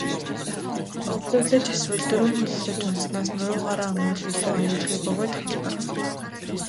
Өвдөглөж эсвэл дөрвөн хөллөж унаснаас нуруугаараа унавал илүү аюулгүй бөгөөд хялбар.